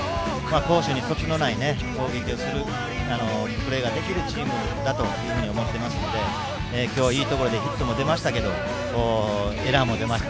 攻守に隙がないプレーができるチームだと思いますので今日はいいところでヒットも出ましたけどエラーも出ました。